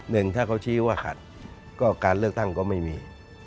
หนึ่งถ้าเขาชี้ว่าขัดก็การเลือกตั้งก็ไม่มี